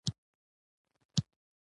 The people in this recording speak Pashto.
لوړ کیفیت د پلور سرعت زیاتوي.